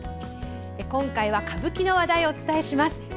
今回は歌舞伎の話題をお伝えします。